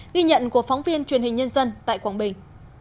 ghi nhận của phóng viên truyền hình nhân dân tại quảng bình